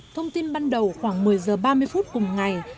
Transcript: thông tin ban đầu khoảng một mươi giờ ba mươi phút cùng ngày